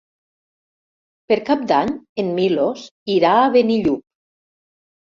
Per Cap d'Any en Milos irà a Benillup.